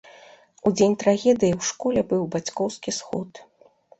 У дзень трагедыі у школе быў бацькоўскі сход.